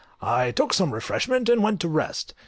I took some refreshment, and went to rest.